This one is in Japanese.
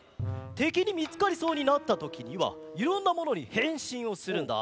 てきにみつかりそうになったときにはいろんなものにへんしんをするんだ。